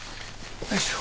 よいしょ。